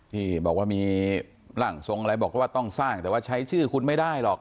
ที่บอกว่ามีร่างทรงอะไรบอกว่าต้องสร้างแต่ว่าใช้ชื่อคุณไม่ได้หรอก